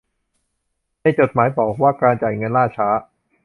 ในจดหมายบอกว่าการจ่ายเงินล่าช้า